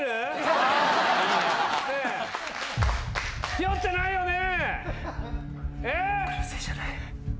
ひよってないよね？